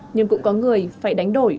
nhưng cũng có người phải đánh đổi